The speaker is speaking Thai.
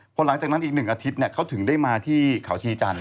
พอหลังจากนั้นอีก๑อาทิตย์เขาถึงได้มาที่เขาชีจันท